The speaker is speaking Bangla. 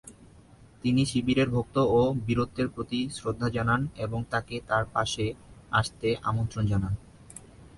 তিনি শিবিরের ভক্ত ও বীরত্বের প্রতি শ্রদ্ধা জানান এবং তাকে তার পাশে আসতে আমন্ত্রণ জানান।